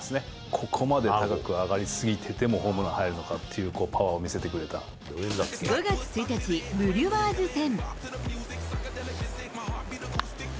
ここまで高く上がりすぎててもホームラン入るのかっていうパワー５月１日、ブリュワーズ戦。